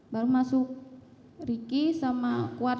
baru masuk riki sama kuat